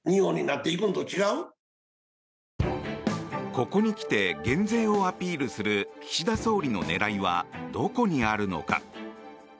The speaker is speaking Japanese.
ここにきて減税をアピールする岸田総理の狙いはどこにあるのか？